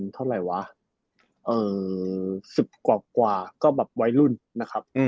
เท่าไรวะเอ่อสิบกว่ากว่าก็แบบวัยรุ่นนะครับอืม